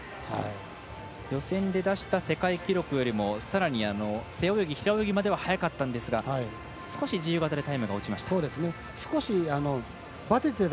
予選で出した世界記録よりもさらに、背泳ぎ平泳ぎまでは速かったんですが少し自由形でタイムが落ちました。